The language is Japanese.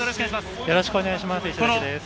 よろしくお願いします。